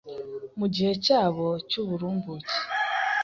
mu gihe cyabo cy'uburumbuke,